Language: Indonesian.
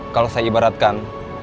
kalau saya ibaratkan